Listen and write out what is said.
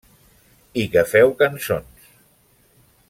I que feu cançons.